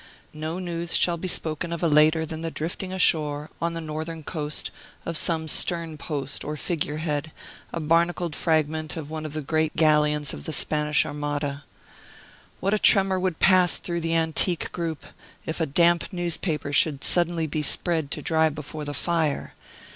No news shall be spoken of later than the drifting ashore, on the northern coast, of some stern post or figure head, a barnacled fragment of one of the great galleons of the Spanish Armada. What a tremor would pass through the antique group, if a damp newspaper should suddenly be spread to dry before the fire!